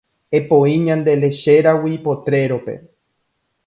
Epoi ñande lechéragui potrero-pe.